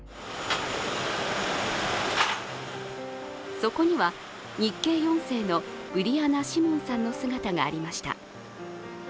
そこには、日系４世のブリアナ・シモンさんの姿もありました。